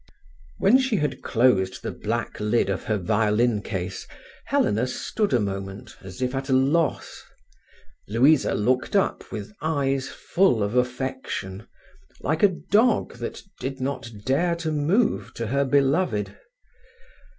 When she had closed the black lid of her violin case, Helena stood a moment as if at a loss. Louisa looked up with eyes full of affection, like a dog that did not dare to move to her beloved.